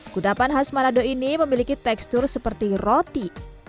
kudapan khas manado ini memiliki tekstur seperti roti